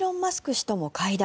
氏とも会談。